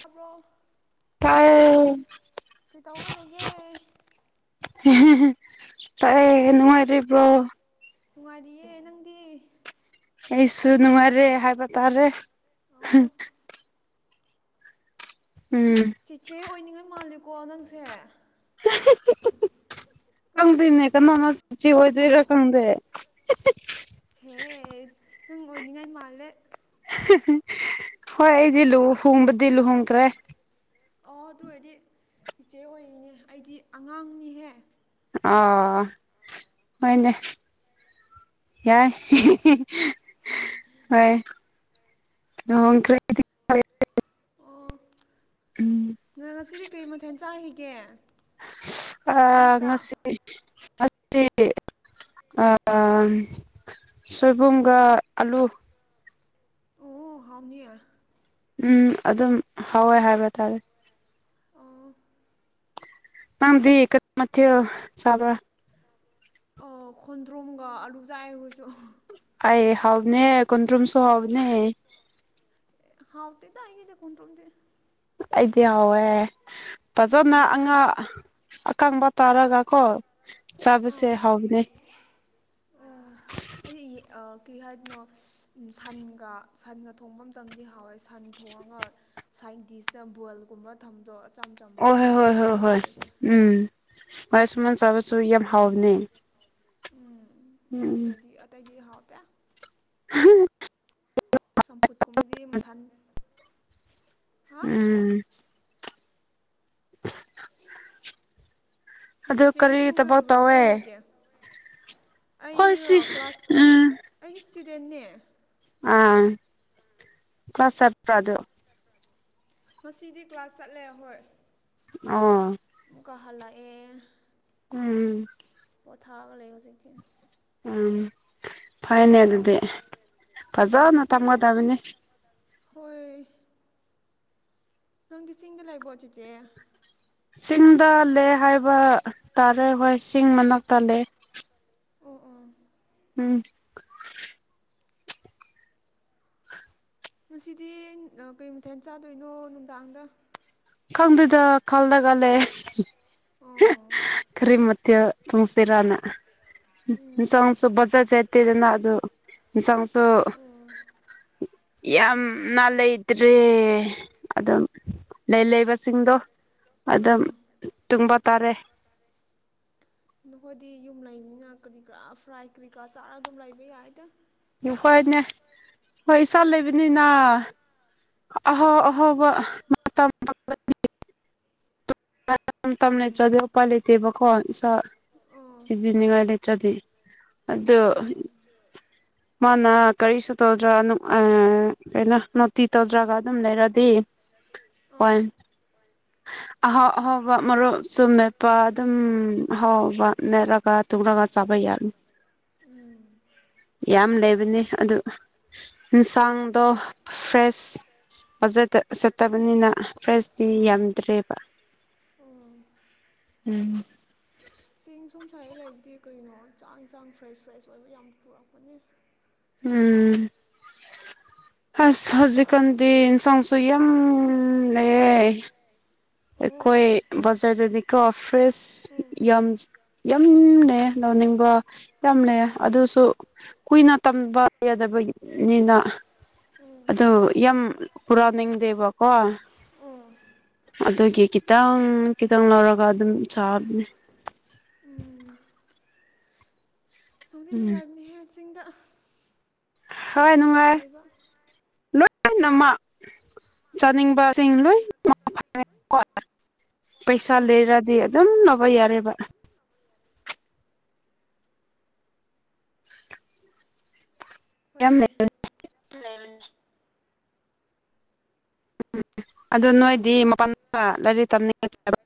ꯇꯕ꯭ꯔꯣ ꯀꯩꯗꯧꯔꯒ ꯂꯩꯒꯦ ꯀꯔꯤꯒꯤ ꯅꯨꯡꯉꯥꯏꯇ꯭ꯔꯤꯕ꯭ꯔꯣ ꯅꯨꯡꯉꯥꯏꯔꯤꯌꯦ ꯅꯪꯗꯤ ꯑꯩꯁꯨ ꯅꯨꯡꯉꯥꯏꯔꯤ ꯍꯥꯏꯕ ꯇꯥꯔꯦ ꯑꯣ ꯎꯝ ꯆꯤꯆꯦ ꯑꯣꯏꯅꯤꯡꯉꯥ ꯃꯥꯜꯂꯦꯀꯣ ꯅꯪꯁꯦ [unintelligible] ꯈꯪꯗꯦ ꯅꯦ ꯀꯅꯥꯅ ꯆꯤꯆꯦ ꯑꯣꯏꯗꯣꯏꯔꯥ ꯈꯪꯗꯦ ꯍꯦ ꯅꯪ ꯑꯣꯏꯅꯤꯡꯉꯥꯏ ꯃꯥꯜꯂꯦ ꯍꯣꯏ ꯑꯩꯗꯤ ꯂꯨꯍꯣꯡꯕꯗꯤ ꯂꯨꯍꯣꯡꯈ꯭ꯔꯦ ꯑꯣ ꯑꯗꯨ ꯑꯣꯏꯔꯗꯤ ꯏꯆꯦ ꯑꯣꯏꯔꯤꯅꯦ ꯑꯩꯗꯤ ꯑꯉꯥꯡꯅꯤꯍꯦ ꯑꯣ ꯍꯣꯏꯅꯦ ꯌꯥꯏ ꯍꯣꯏ ꯂꯨꯍꯣꯡꯈ꯭ꯔꯦ ꯑꯩꯗꯤ꯫ ꯑꯣ꯫ ꯎꯝ꯫ ꯉꯁꯤꯗꯤ ꯀꯔꯤ ꯃꯊꯦꯜꯡꯟ ꯆꯥꯈꯤꯒꯦ ꯑꯌꯨꯛꯇꯥ꯫ [inaudible] ꯁꯣꯏꯕꯨꯝꯒꯥ ꯑꯂꯨ꯫ ꯑꯣ ꯍꯥꯎꯅꯤ꯫ ꯎꯝ ꯑꯗꯨꯝ ꯍꯥꯎꯋꯦ ꯍꯥꯏꯕ ꯇꯥꯔꯦ꯫ ꯅꯪꯗꯤ ꯀꯔꯤ ꯃꯊꯦꯜ ꯆꯥꯕ꯭ꯔ꯫ ꯑꫭ ꯈꯣꯟꯗ꯭ꯔꯨꯝꯒꯥ ꯑꯂꯨ ꯆꯥꯏꯑꯦ ꯑꯈꯣꯏꯁꯨ꯫ ꯑꯩ ꯍꯥꯎꯕꯅꯦ ꯀꯨꯟꯗ꯭ꯔꯨꯝꯁꯨ ꯍꯥꯎꯕꯅꯦ꯫ ꯍꯥꯎꯇꯦꯗꯥ ꯑꯩꯒꯤꯗꯤ ꯀꯨꯟꯗ꯭ꯔꯨꯝꯗꯤ꯫ ꯑꯩꯗꯤ ꯌꯥꯎꯋꯦ ꯐꯖꯅ ꯑꯉꯥ ꯑꯀꯪꯕ ꯇꯥꯔꯒ ꯀꯣ ꯆꯥꯕꯁꯦ ꯍꯥꯎꯕꯅꯤ꯫ [unintelligible] ꯀꯩ ꯍꯥꯏꯗꯅꯣ ꯁꯟꯒꯥ ꯁꯟꯒ ꯊꯣꯡꯕ ꯃꯇꯝꯗꯗꯤ ꯍꯥꯎꯋꯦ ꯁꯟ ꯊꯣꯡꯉꯒ ꯁꯥꯏꯟꯇꯤꯁꯅ ꯕꯣꯜꯒꯨꯝꯕ ꯊꯝꯗꯣꯛ ꯑꯣ ꯍꯣꯏ ꯍꯣꯏ ꯍꯣꯏ ꯍꯣꯏ ꯎꯝ ꯍꯣꯏ ꯑꯁꯨꯃꯥꯟ ꯆꯥꯕꯁꯨ ꯌꯥꯝ ꯍꯥꯎꯕꯅꯤ꯫ ꯎꯝ ꯅꯠꯇ꯭ꯔꯗꯤ ꯑꯇꯩꯗꯤ ꯍꯥꯎꯇꯦ꯫ ꯆꯝꯐꯨꯠꯀꯨꯝꯕꯗꯤ ꯃꯊꯟ ꯎꯝ꯫ ꯑꯗꯨ ꯀꯔꯤ ꯊꯕꯛ ꯇꯧꯋꯦ꯫ ꯑꯩꯔꯣ ꯀ꯭ꯂꯥꯁ ꯑꯩ ꯑꯩ ꯏꯁꯇꯨꯗꯦꯟꯅꯦ꯫ ꯑ ꯀ꯭ꯂꯥꯁ ꯆꯠꯄ꯭ꯔꯥ ꯑꯗꯨ꯫ ꯉꯁꯤꯗꯤ ꯀ꯭ꯂꯥꯁ ꯆꯠꯂꯦ ꯍꯣꯏ꯫ ꯑꯣ꯫ ꯃꯨꯛꯀꯥ ꯍꯜꯂꯥꯛꯑꯦ꯫ ꯎꯝ꯫ ꯄꯣꯊꯔꯒ ꯂꯩ ꯍꯧꯖꯤꯛꯇꯤ꯫ ꯎꯝ ꯐꯩꯅꯦ ꯑꯗꯨꯗꯤ ꯐꯖꯅ ꯇꯝꯒꯗꯕꯅꯤ꯫ ꯍꯣꯏ꯫ ꯅꯪꯗꯤ ꯆꯤꯡꯗ ꯂꯩꯕꯣ ꯆꯤꯆꯦ꯫ ꯆꯤꯡꯗ ꯂꯦ ꯍꯥꯏꯕ ꯇꯥꯔꯦ ꯍꯣꯏ ꯆꯤꯡ ꯃꯅꯥꯛꯇꯥ ꯂꯦ꯫ ꯎꯝ꯫ ꯉꯁꯤꯗꯤ ꯀꯔꯤ ꯃꯊꯦꯜ ꯆꯥꯗꯣꯏꯅꯣ ꯅꯨꯡꯗꯥꯡꯗ꯫ ꯈꯪꯗꯦꯗ ꯈꯜꯂꯒ ꯂꯦ ꯀꯔꯤ ꯃ ꯊꯦꯜ ꯊꯨꯡꯁꯤꯔꯥꯅ ꯏꯟꯆꯪꯁꯨ ꯕꯖꯦꯠ ꯖꯦ ꯇꯦꯗꯅꯥ ꯑꯗꯨ ꯏꯁꯪꯁꯨ ꯌꯥꯝꯅ ꯂꯩꯇ꯭ꯔꯦ ꯑꯗꯨꯝ ꯂꯩ ꯂꯩꯕꯁꯤꯡꯗꯣ ꯑꯗꯨꯝ ꯇꯨꯡꯕ ꯇꯥꯔꯦ꯫ ꯅꯈꯣꯏꯗꯤ ꯌꯨꯝ ꯂꯩꯅꯤꯅ ꯀꯔꯤ ꯀꯔꯥ ꯐ꯭ꯔꯥꯏ ꯀꯔꯤ ꯀꯔꯥ ꯆꯥꯔꯒ ꯑꯗꯨꯝ ꯂꯩꯕ ꯌꯥꯏꯗ꯫ ꯌꯨ ꯍꯣꯏꯅꯦ ꯍꯣꯏ ꯏꯆꯥ ꯂꯩꯕꯅꯤꯅꯥ [inaudible] ꯇꯝ ꯂꯩꯇ꯭ꯔꯗꯤ ꯄꯥꯏ ꯂꯩꯇꯦꯕꯥꯀꯣ ꯁꯥ ꯁꯤꯕꯤꯅꯤꯡꯉꯥꯏ ꯂꯩꯇ꯭ꯔꯗꯤ ꯑꯗꯨ ꯃꯥꯅ ꯀꯔꯤꯁꯨ ꯇꯧꯗ꯭ꯔꯥ ꯑ ꯀꯩꯅ ꯇꯧꯗ꯭ꯔꯒ ꯑꯗꯨꯝ ꯂꯩꯔꯗꯤ ꯍꯣꯏ ꯑꯍꯥꯎ ꯑꯍꯥꯎꯕ ꯃꯔꯨꯞꯁꯨꯨꯝ ꯃꯦꯠꯄ ꯑꯗꯨꯝ ꯑꯍꯥꯎꯕ ꯃꯦꯠꯂꯒ ꯇꯨ꯭ꯔꯥꯒ ꯆꯄꯩ ꯌꯥ ꯎꯝ ꯌꯥꯝ ꯂꯩꯕꯅꯤ ꯑꯗꯨ ꯏꯟꯁꯥꯡꯗ ꯐ꯭ꯔꯦꯁ ꯑꯣꯖꯔꯗ ꯆꯠꯇꯕꯅꯤꯅ ꯐ꯭ꯔꯦꯁꯇꯤ ꯌꯥꯝ ꯠꯇꯦꯕ ꯎꯝ ꯆꯦꯡ ꯁꯨꯝ ꯁꯥꯏꯔ ꯂꯩꯕꯗꯤ ꯀꯩꯅꯣ ꯆꯥꯡ ꯆꯥꯡ ꯐ꯭ꯔꯦꯁ ꯐ꯭ꯔꯦꯁ ꯑꯣꯏꯕ ꯌꯥꯝ ꯇꯨꯔꯛꯄꯅꯤ ꯎꯝ ꯑꯁ ꯍꯧꯖꯤꯛꯀꯥꯟꯗꯤ ꯏꯟꯁꯥꯡꯁꯨ ꯌꯥꯝ ꯂꯩꯌꯦ ꯑꯩꯈꯣꯏ ꯕꯖꯔꯗꯅꯤꯀꯣ ꯐ꯭ꯔꯦꯁ ꯌꯥꯝ ꯌꯥꯝꯅꯦ ꯂꯧꯅꯤꯡꯕ ꯌꯥꯝꯅꯦ ꯑꯗꯨꯁꯨ ꯀꯨꯏꯅ ꯇꯝꯕ ꯌꯥꯗꯕꯅꯤꯅ ꯑꯗꯨ ꯌꯥꯝ ꯄꯨꯔꯥꯅꯤꯡꯗꯦꯕꯀꯣ ꯑꯣ ꯑꯗꯨꯒꯤ ꯈꯤꯇꯪ ꯈꯤꯇꯪ ꯂꯧꯔꯒ ꯑꯗꯨꯝ ꯆꯥꯕꯅꯦ ꯎꯝ [inaudible] ꯊꯤ ꯅꯨꯡꯉꯥꯏꯕꯅꯦꯍꯦ ꯁꯤꯡꯗ ꯍ ꯂꯩꯕ ꯂꯣꯏꯅꯃꯛ ꯆꯥꯅꯤꯡꯕꯁꯤꯡ [unintelligible] ꯄꯩꯁꯥ ꯂꯩꯔꯗꯤ ꯑꯗꯨꯝ ꯂꯧꯕ ꯌꯥꯔꯦꯕ [inaudible] [unintelligible] ꯎꯝ ꯑꯗꯨ ꯅꯣꯏꯗꯤ ꯃꯄꯥꯟ ꯂꯥꯏꯔꯤꯛ [unintelligible]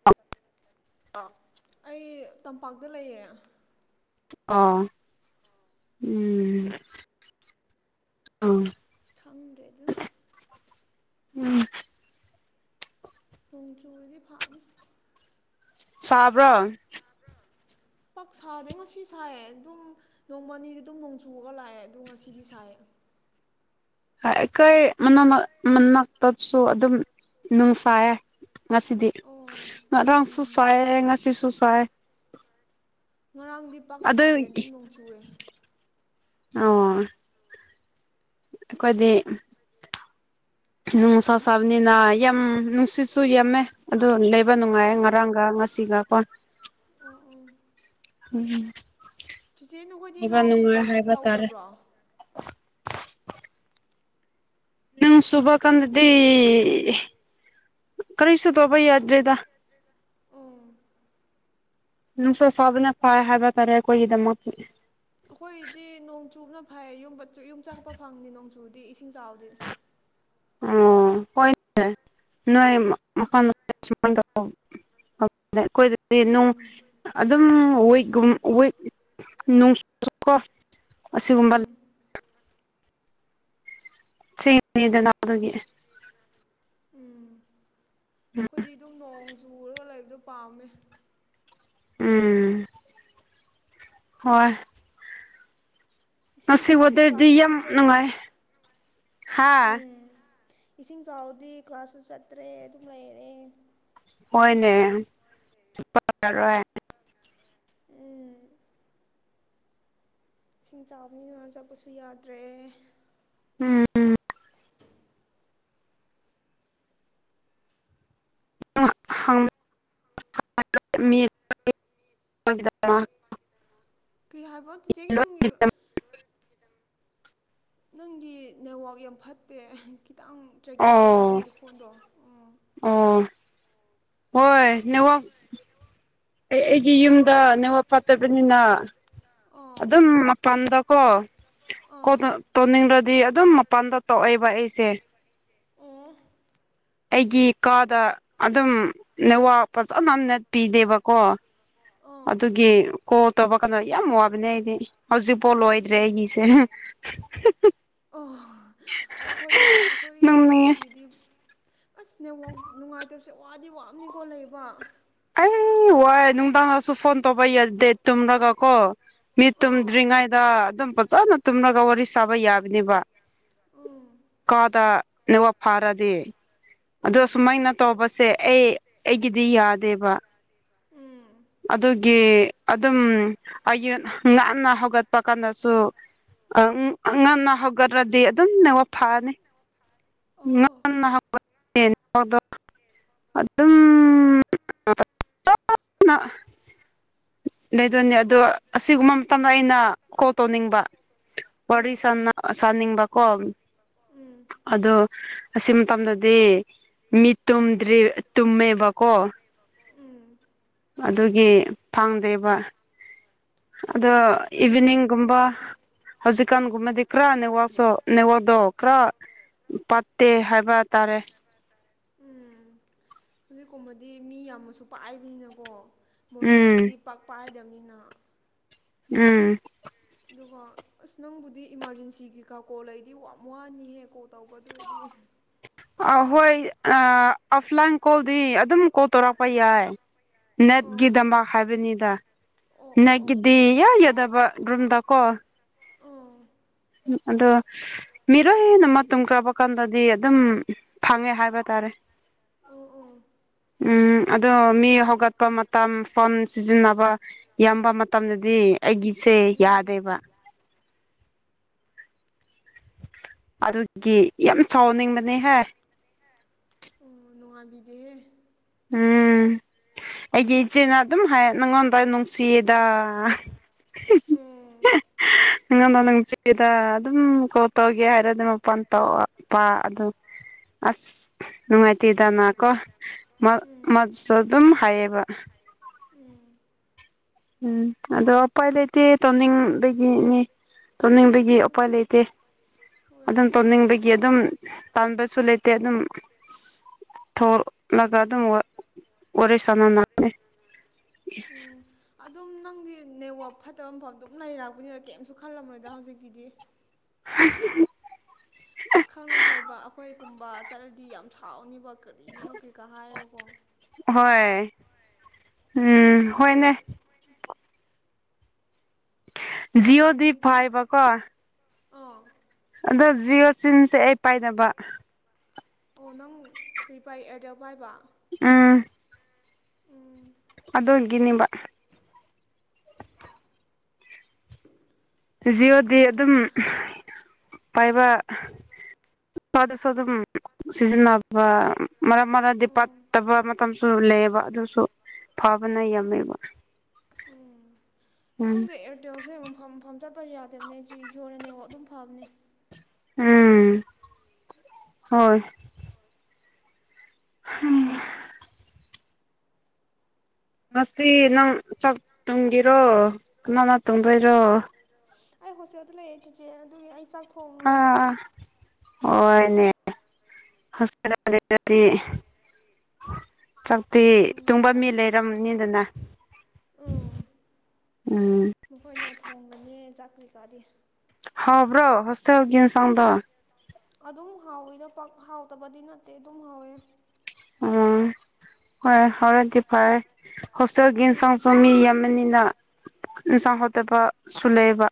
ꯑꯩ ꯇꯝꯄꯥꯛꯇ ꯂꯩꯌꯦ ꯑꯧ ꯎꯝ ꯎꯝ ꯎꯝ ꯅꯣꯡ ꯆꯨꯔꯗꯤ ꯐꯥꯅꯤ ꯁꯥꯕ꯭ꯔꯣ ꯄꯥꯛ ꯁꯥꯗꯦ ꯉꯁꯤ ꯁꯥꯏꯌꯦ ꯑꯗꯨꯝ ꯅꯣꯡꯃꯅꯤꯗꯤ ꯑꯗꯨꯝ ꯅꯣꯡꯆꯨꯨꯔꯒ ꯂꯥꯛꯑꯦ ꯑꯗꯣ ꯉꯁꯤꯗꯤ ꯁꯥꯏꯌꯦ [unintelligible] ꯑꯣ ꯉꯔꯥꯡꯁꯨ ꯁꯥꯏ ꯉꯁꯤꯁꯨ ꯁꯥꯏ ꯉꯔꯥꯡꯗꯤ ꯄꯥꯛ ꯁꯥꯗꯦ ꯑꯗꯨꯝ ꯅꯣꯡ ꯆꯨꯑꯦ ꯑꯣ ꯑꯩꯈꯣꯏꯗꯤ ꯅꯨꯡꯁꯥ ꯁꯥꯕꯅꯤꯅ ꯌꯥꯝ ꯅꯨꯡꯁꯤꯠꯁꯨ ꯌꯥꯝꯃꯦ ꯑꯗꯨ ꯂꯩꯕ ꯅꯨꯡꯉꯥꯏ ꯉꯔꯥꯡꯒ ꯉꯁꯤꯒ ꯀꯣ ꯎꯝ ꯆꯤꯆꯦ ꯅꯈꯣꯏꯗꯤ ꯂꯧ ꯀꯔꯤ ꯀꯥꯁ‌ꯦ ꯇꯧꯗꯕ꯭ꯔꯣ ꯅꯣꯡ ꯆꯨꯕ ꯀꯥꯟꯗꯗꯤ ꯀꯔꯤꯁꯨ ꯇꯧꯕ ꯌꯥꯗ꯭ꯔꯦꯗ ꯅꯨꯡꯁꯥ ꯁꯥꯕꯅ ꯐꯩꯏ ꯍꯥꯏꯕ ꯇꯥꯔꯦ ꯑꯩꯈꯣꯏꯒꯤꯗꯃꯛꯇꯗꯤ ꯑꯩꯈꯣꯏꯗꯤ ꯅꯣꯡꯆꯨꯕꯅ ꯐꯩ ꯌꯨꯝ ꯆꯠꯄ ꯐꯪꯢ ꯅꯣꯡꯆꯨꯔꯗꯤ ꯏꯁꯤꯡ ꯆꯥꯎꯔꯗꯤ ꯑꯣ ꯍꯣꯏꯅꯦ ꯅꯣꯏ ꯃ [unintelligible] ꯁꯨꯃꯥꯏꯅ ꯇꯩꯑꫭ ꯑꯩꯈꯣꯏꯗꯗꯤ ꯅꫭꯡ ꯑꯗꯨꯝ ꯋꯤꯛꯀꯨꯝ ꯋꯤꯛ ꯅꯨꯡꯁꯨꯀꯣ ꯑꯁꯤꯒꯨꯝꯕ ꯂꯩ [unintelligible] ꯎꯝ ꯑꯩꯈꯣꯏꯗꯤ ꯑꯗꯨꯝ ꯅꯣꯡ ꯆꯨꯔꯒ ꯂꯩꯕꯗꯣ ꯄꯥꯝꯃꯦ ꯎꯝ ꯍꯣꯏ ꯏꯁꯤꯡ ꯆꯥꯎꯔꯗꯤ ꯀ꯭ꯂꯥꯁꯁꯨ ꯆꯠꯇ꯭ꯔꯦꯅ ꯎꯝ ꯏꯁꯤꯡ ꯆꯥꯎꯔꯗꯤ ꯀ꯭ꯂꯥꯁꯁꯨ ꯆꯠꯇ꯭ꯔꯦ ꯑꯗꯨꯝ ꯂꯩꯔꯦ ꯍꯣꯏꯅꯦ [inaudible] ꯏꯁꯤꯡ ꯆꯥꯎꯕꯅꯤꯅ ꯃꯤ ꯆꯠꯄꯁꯨ ꯌꯥꯗ꯭ꯔꯦ ꯎꯝ ꯎꯝ ꯍꯪꯕ [inaudible] ꯀꯔꯤ ꯍꯥꯏꯕ ꯆꯤꯆꯦ ꯅꯪꯒꯤ ꯅꯪꯒꯤ ꯅꯦꯠꯋꯥꯛ ꯌꯥꯝ ꯐꯠꯇꯦ ꯈꯤꯇꯪ ꯇ꯭ꯔꯦꯛꯀꯤꯡ ꯆꯠꯂꯦ ꯅꯪꯒꯤ ꯈꫭꯟꯗꫭ ꯑꯣ ꯍꯣꯏ ꯅꯦꯠꯋꯥꯛ ꯑꯩ ꯑꯩꯒꯤ ꯌꯨꯝꯗ ꯅꯦꯠꯋꯥꯛ ꯐꯥꯠꯇꯕꯅꯤꯅ ꯑꯗꯨꯝ ꯃꯄꯥꯟꯗꯀꯣ ꯀꫭꯜ ꯇꯧꯅꯤꯡꯂꯗꯤ ꯑꯗꯨꯝ ꯃꯄꯥꯟꯗ ꯇꯣꯛꯑꯦꯕ ꯑꯩꯁꯦ ꯑꯩꯒꯤ ꯀꯥꯗ ꯑꯗꯨꯝ ꯅꯦꯠꯋꯥꯛ ꯐꯖꯅ ꯅꯦꯠ ꯄꯤꯗꯦꯕ ꯀꯣ ꯑꯗꯨꯒꯤ ꯀꯣꯜ ꯇꯧꯕ ꯀꯥꯞꯗ ꯌꯥꯝ ꯋꯥꯕꯅꯦ ꯑꯩꯗꯤ ꯍꯧꯖꯤꯛꯐꯥꯎ ꯂꯣꯏꯗ꯭ꯔꯦ ꯑꯩꯒꯤꯁꯦ ꯑꯣ ꯑꯩ ꯑꯩꯈꯣꯏ ꯑꯩꯈꯣꯏꯒꯤꯗꯤ ꯑꯁ ꯅꯦꯠꯋꯥꯛ ꯅꯨꯡꯉꯥꯏꯇ꯭ꯔꯁꯨ ꯋꯥꯗꯤ ꯋꯥꯕꯅꯤꯀꯣ ꯂꯩꯕ ꯑꯩ ꯋꯥꯏ ꯅꯨꯡꯗꯥꯡꯗꯁꯨ ꯐꯣꯟ ꯇꯧꯕ ꯌꯥꯗꯦ ꯇꯨꯝꯂꯒ ꯀꯣ ꯃꯤ ꯇꯨꯝꯗ꯭ꯔꯤꯉꯩꯗ ꯑꯗꯨꯝ ꯐꯖꯅ ꯇꯨꯝꯂꯒ ꯋꯥꯔꯤ ꯁꯥꯕ ꯌꯥꯕꯅꯦꯕ ꯀꯥꯗ ꯅꯦꯠꯋꯥꯛ ꯐꯔꯗꯤ ꯑꯗꯣ ꯁꯨꯃꯥꯏꯅ ꯇꯧꯕꯁꯦ ꯑꯩ ꯑꯩꯒꯤꯗꯤ ꯌꯥꯗꯦꯕ ꯑꯗꯨꯒꯤ ꯑꯗꯨꯝ ꯑꯩꯒꯤ ꯉꯟꯅ ꯍꯧꯒꯠꯄ ꯀꯥꯟꯗꯁꯨ ꯑꯥ ꯉꯟꯅ ꯍꯧꯒꯠꯂꯗꯤ ꯑꯗꯨꯝ ꯅꯦꯠꯋꯥꯛ ꯐꯅꯤ ꯉꯟꯅ ꯍꯧꯒꯠꯂꯗꯤ ꯅꯦꯠꯋꯥꯛ ꯑꯗꯨꯝ ꯂꯩꯗꯣꯏꯅꯦ ꯑꯗꯣ ꯑꯁꯤꯒꯨꯝꯕ ꯃꯇꯝꯗ ꯑꯩꯅ ꯀꯣꯜ ꯇꯧꯅꯤꯡꯕ ꯋꯥꯔꯤ ꯁꯥꯟꯅ ꯁꯥꯅꯤꯡꯕꯀꯣ ꯑꯗꯣ ꯑꯁꯤ ꯃꯇꯝꯗꯗꯤ ꯃꯤ ꯇꯨꯝꯗ꯭ꯔꯤ ꯇꯨꯝꯃꯦꯕꯀꯣ ꯎꯝ ꯑꯗꯨꯒꯤ ꯐꯪꯗꯦꯕ ꯑꯗꯣ ꯏꯚꯤꯅꯤꯡꯒꯨꯝꯕ ꯍꯧꯖꯤꯛꯀꯥꯟꯒꯨꯝꯕꯗꯤ ꯀ꯭ꯔꯥ ꯅꯦꯠꯋ꯭ꯔ ꯇꯣ ꯅꯦꯠꯋ꯭ꯔ ꯇꯣ ꯀ꯭ꯔꯥ ꯐꯠꯇꯦ ꯍꯥꯏꯕ ꯇꯥꯔꯦ ꯍꯧꯖꯤꯛꯀꯨꯝꯕꯗꯤ ꯃꯤ ꯌꯥꯝꯅꯁꯨ ꯄꯥꯛꯏꯕꯅꯤꯅꯀꯣ ꯃꯣꯔꯅꯤꯡꯗꯗꯤ ꯄꯥꯛ ꯄꯥꯏꯗꯕꯅꯤꯅ ꯎꯝ꯫ ꯑꯗꯨꯒ ꯑꯁ ꯅꯪꯕꯨꯗꯤ ꯏꯃꯥꯔꯖꯦꯟꯁꯤꯒꯤ ꯀꯩꯀꯥ ꯀꯣꯜ ꯂꯩꯗꯤ ꯌꯥꯝ ꯋꯥꯅꯤꯍꯦ ꯀꯣꯜ ꯇꯧꯕ ꯑꯗꯨ ꯑꯣꯏꯔꯗꯤ ꯑ ꯍꯣꯏ ꯑ ꯑꯣꯐꯂꯥꯏꯟ ꯀꯣꯜꯗꯤ ꯑꯗꯨꯝ ꯀꯣꯜ ꯇꯧꯔꯛꯄ ꯌꯥꯏ꯫ ꯅꯦꯠꯀꯤ ꯗꯃꯛ ꯍꯥꯏꯕꯅꯤꯗ ꯅꯦꯠꯒꯤꯗꯤ ꯌꯥ ꯌꯥꯗꯕ ꯔꯨꯝꯗꯀꯣ ꯑꯗꯣ ꯃꯤꯔꯣꯏꯅ ꯃꯇꯨꯡꯒ꯭ꯔꯕ ꯀꯥꯟꯗꯗꯤ ꯑꯗꯨꯝ ꯐꯪꯉꯦ ꯍꯥꯏꯕ ꯇꯥꯔꯦ꯫ ꯎꯝ꯫ ꯎꯝ ꯑꯗꯣ ꯃꯤ ꯍꯧꯒꯠꯄ ꯃꯇꯝ ꯐꯣꯟ ꯁꯤꯖꯤꯟꯅꯕ ꯌꯥꯝꯕ ꯃꯇꯝꯗꯗꯤ ꯑꯩꯒꯤꯁꯦ ꯌꯥꯗꯦꯕ ꯑꯗꯨꯒꯤ ꯌꯥꯝ ꯁꯥꯎꯅꯤꯡꯕꯅꯦ ꯍꯦ ꯅꯨꯡꯉꯥꯏꯕꯤꯗꯦꯍꯦ ꯎꯝ ꯑꯩꯒꯤ ꯏꯆꯦꯅ ꯑꯗꯨꯝ ꯍꯥꯏ ꯅꯉꯣꯟꯗ ꯅꯨꯡꯁꯤꯌꯦꯗ [inaudible] ꯎꯝ꯫ ꯅꯉꯣꯟꯗ ꯅꯨꯡꯁꯤꯌꯦꯗ ꯑꯗꯨꯝ ꯀꯣꯜ ꯇꯧꯒꯦ ꯍꯥꯏꯔꯗꯤ ꯃꯄꯥꯟ ꯇꯧ [unintelligible] ꯑꯗꯨ ꯑꯁ ꯅꯨꯡꯉꯥꯏꯇꯦꯗꯅꯀꯣ ꯃ ꯃꯁꯨ ꯑꯗꯨꯝ ꯍꯥꯏꯌꯦꯕ ꯎꯝ꯫ ꯎꯝ ꯑꯗꯣ ꯎꯄꯥꯏ ꯂꯩꯇꯦ ꯇꯧꯅꯤꯡꯕꯒꯤꯅꯤ ꯇꯧꯅꯤꯡꯕꯒꯤ ꯎꯄꯥꯏ ꯂꯩꯇꯦ꯫ ꯑꯗꯨꯝ ꯇꯧꯅꯤꯡꯕꯒꯤ ꯑꯗꯨꯝ ꯇꯥꯟꯕꯁꯨ ꯂꯩꯇꯦ ꯑꯗꯨꯝ ꯊꯣꯛꯂꯒ ꯑꯗꯨꯝ ꯋꯥ ꯋꯥꯔꯤ ꯁꯥꯟꯅꯕꯅꯦ ꯑꯗꯨꯝ ꯅꯪꯗꯤ ꯅꯦꯠꯋꯥꯛ ꯐꯠꯇꯕ ꯃꯐꯝꯗ ꯑꯗꯨꯝ ꯂꯩꯔꯛꯄꯅꯤꯅ ꯀꯩꯝꯁꯨ ꯈꯜꯂꯝꯃꯣꯏꯗ ꯍꯧꯖꯤꯛꯀꯤꯗꯤ [inaudible] ꯄꯥꯛꯈꯪꯔꯝꯔꯣꯏꯕ ꯑꯩꯈꯣꯏꯒꯨꯝꯕ ꯆꯠꯂꯗꯤ ꯌꯥꯝ ꯁꯥꯎꯅꯤꯕ ꯀꯔꯤꯒꯤꯅꯣ ꯀꯩꯀꯥ ꯍꯥꯏꯔꯒꯀꯣ ꯍꯣꯏ ꯎꯝ ꯍꯣꯏꯅꯦ ꯖꯤꯌꫭꯗꯤ ꯄꯥꯏꯕ ꯀꯣ ꯑꯗꯣ ꯖꯤꯌꫭ ꯁꯤꯝꯁꯦ ꯑꯩ ꯄꯥꯏꯗꯕ ꯑꯣ ꯅꯪ ꯀꯔꯤꯄꯥ ꯏꯌꯥꯔꯇꯦꯜ ꯄꯥꯏꯕ ꯎꯝ꯫ ꯑꯗꯨꯒꯤꯅꯤꯕ ꯖꯤꯌꫭꯗꯤ ꯑꯗꯨꯝ ꯄꯥꯏꯕ ꯄꯥꯗꯁꯨ ꯑꯗꯨꯝ ꯁꯤꯖꯤꯟꯅꯕ ꯃꯔꯛ ꯃꯔꯛꯗꯤ ꯐꯠꯇꯕ ꯃꯇꯝꯁꯨ ꯂꯩꯌꯦꯕ ꯑꯗꯨꯁꯨ ꯐꯕꯅ ꯌꯥꯝꯃꯦꯕ ꯎꯝ꯫ ꯈꯪꯗꯦ ꯑꯦꯌꯥꯔꯇꯦꯜꯁꯦ ꯃꯐꯝ ꯃꯐꯝ ꯆꯠꯄ ꯌꯥꯗꯕꯅꯦ ꯖꯤꯌꫭꯅ ꯅꯦꯠ ꯋꯥꯛ ꯑꯗꯨꯝ ꯐꯕꯅꯦ ꯎꯝ ꯍꯣꯏ [inaudible] ꯉꯁꯤ ꯅꯪ ꯆꯥꯛ ꯇꯣꯡꯒꯤꯔꯣ ꯀꯅꯥꯅ ꯇꯨꯡꯗꯣꯏꯔꯣ ꯑꯩ ꯍꯣꯁꯇꯦꯜꯗ ꯂꯩꯌꯦ ꯆꯤꯆꯦ ꯑꯗꯨꯒꯤ ꯑꯩ ꯆꯥꯛ ꯑꯥ ꯍꯣꯏꯅꯦ ꯍꯣꯁꯇꯦꯜꯗ ꯂꯩꯔꯗꯤ꯫ ꯆꯥꯛꯇꯤ ꯇꯨꯝꯕ ꯃꯤ ꯂꯩꯔꯝꯅꯤꯗꯅ ꯎꯝ ꯃꯈꯣꯏꯅ ꯊꯣꯡꯕꯅꯦ ꯆꯥꯛ ꯀꯔꯤ-ꯀꯥꯗꯤ ꯍꯥꯎꯕ꯭ꯔꯣ ꯍꫭꯁꯇꯦꯜꯒꯤ ꯏꯟꯁꯥꯡꯗꫭ ꯑꯗꯨꯝ ꯍꯥꯎꯋꯤꯗ ꯄꯥꯛ ꯍꯥꯎꯇꯕꯗꯤ ꯅꯠꯇꯦ ꯑꯗꯨꯝ ꯍꯥꯎꯋꯦ ꯎꯝ ꯍꫭꯏ ꯍꯥꯎꯔꯗꯤ ꯐꯔꯦ ꯍꯣꯁꯇ‌ꯦꯜꯒꯤ ꯏꯟꯁꯥꯡꯁꯨ ꯃꯤ ꯌꯥꯝ ꯃꯅꯤꯅ ꯏꯟꯁꯥꯡ ꯍꯥꯎꯇꯕꯁꯨ ꯂꯩꯑ‌ꯦꯕ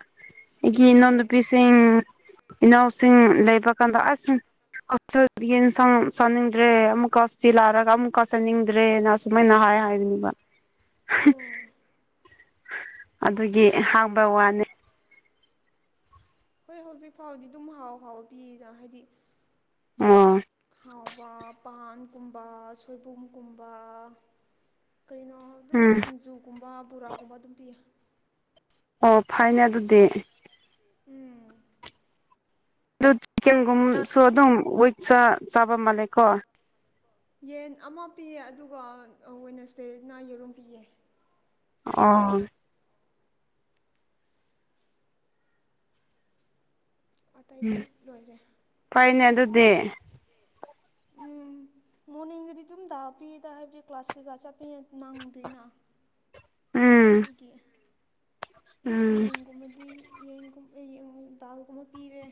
ꯑꯩꯒꯤ ꯏꯅꯥꯎ ꯅꯨꯨꯄꯤꯁꯤꯡ ꯏꯅꯥꯎꯁꯤꯡ ꯂꯩꯕ ꯀꯥꯟꯗ ꯑꯁ ꯍꯣꯇꯦꯜꯒꯤ ꯏꯟꯁꯥꯡ ꯆꯥꯅꯤꯡꯗ꯭ꯔꯦ ꯑꯃꯨꯛꯀ ꯁꯤ ꯂꯥꯛꯔꯒ ꯑꯃꯨꯛꯀ ꯆꯟꯅꯤꯡꯗ꯭ꯔꯦꯅ ꯑꯁꯨꯃꯥꯏꯅ ꯍꯥꯏ ꯍꯥꯏꯔꯤꯅꯦꯕ ꯑꯗꯨꯒꯤ ꯍꯥꯏꯕ ꯋꯥꯅꯤ ꯍꯣꯏ ꯍꯧꯖꯤꯛ ꯐꯥꯎꯗꯤ ꯗꯨꯝ ꯍꯥꯎ ꯍꯥꯎ ꯄꯤꯗ ꯍꯥꯏꯗꯤ ꯑꯥ ꯍꯥꯎꯕ ꯄꯥꯟꯒꯨꯝꯕ ꯁꯣꯏꯕꯨꯝꯒꯨꯝꯕ ꯀꯩꯅꯣ ꯑꯗꯨꯝ ꯁꯤꯡꯖꯨꯒꯨꯝꯕ ꯕꯣꯔꯥꯒꯨꯝꯕ ꯑꯗꯨꯝ ꯄꯤꯌꯦ ꯑꯣ ꯐꯩꯅꯦ ꯑꯗꯨꯗꯤ ꯎꯝ ꯑꯗꯨ ꯆꯦꯡꯒꯨꯝꯁꯨ ꯑꯗꯨꯝ ꯂꯣꯏ ꯆ ꯆꯥꯕ ꯃꯥꯜꯂꯦꯀꯣ ꯌꯦꯟ ꯑꯃ ꯄꯤꯌꯦ ꯑꯗꯨꯒ ꯑꯥ ꯋꯦꯅꯁꯗ‌ꯦꯗꯗꯅ ꯌꯦꯔꯨꯝ ꯄꯤꯌꯦ ꯑꯥ ꯑꯇꯩꯗꯤ ꯂꯣꯏꯔꯦ ꯐꯩꯅꯦ ꯑꯗꯨꯗꯤ ꯎꯝ ꯃꯣꯔꯅꯤꯡꯗꯗꯤ ꯗꯨꯝ ꯇꯥ ꯄꯤꯗ ꯍꯥꯏꯕꯗꯤ ꯀ꯭ꯂꯥꯁ ꯀꯩꯀꯥ ꯆꯠ ꯑꯐꯦ ꯅꯪꯗꯦꯅ ꯑꯗꯨꯒꯤ ꯃꯣꯔꯅꯤꯡ ꯒꯨꯝꯕꯗꯤ ꯌꯦꯟꯒꯨꯝ ꯌꯦꯟ ꯗꯥꯜꯒꯨꯝꯕ ꯄꯤꯌꯦ